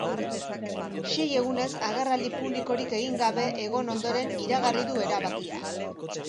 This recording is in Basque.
Sei egunez agerraldi publikorik egin gabe egon ondoren iragarri du erabakia.